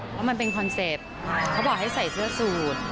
เพราะมันเป็นคอนเซ็ปต์เขาบอกให้ใส่เสื้อสูตร